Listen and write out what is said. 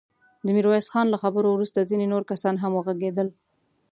د ميرويس خان له خبرو وروسته ځينې نور کسان هم وغږېدل.